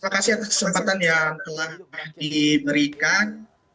terima kasih atas kesempatan yang telah diberikan